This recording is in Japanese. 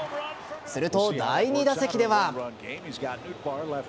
すると第２打席では。